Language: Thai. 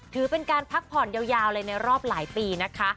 ถือเป็นการพักผ่อนยาวเลยในรอบหลายปีนะคะ